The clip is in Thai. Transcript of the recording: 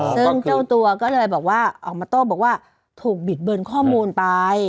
ซึ่งเจ้าตัวก็เลยบอกว่าออกมาโต้บอกว่าถูกบิดเบือนข้อมูลไป